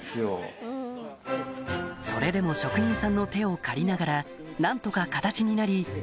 それでも職人さんの手を借りながら何とか形になり